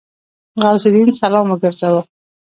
غوث الدين سلام وګرځاوه.